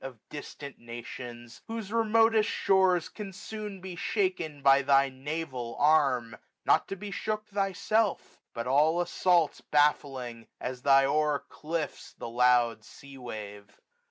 Of distant nations ; whose remotest shores Can soon be shaken by thy naval arm ; Not to be shook thyself; but all assaults Baffling, as thy hoar cliffs the loud sea wave.